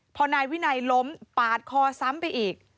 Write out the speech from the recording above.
พอนายวินัยล้มปาดคอซ้ำไปอีก